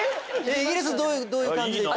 イギリスどういう感じで？